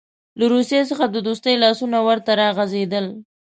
له روسیې څخه د دوستۍ لاسونه ورته راغځېدل.